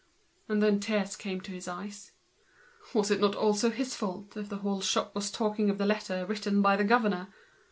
And the tears came into his eyes. Was it not always his fault if the whole shop was talking of the letter written by the governor?